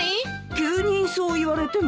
急にそう言われてもね。